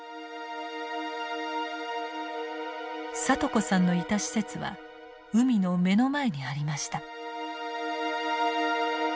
聡子さんのいた施設は海の目の前にありました。